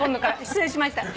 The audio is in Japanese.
失礼しました。